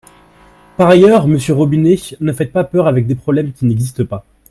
Par ailleurs, monsieur Robinet, ne faites pas peur avec des problèmes qui n’existent pas.